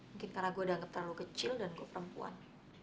mungkin karena gue dianggap terlalu kecil dan gue perempuan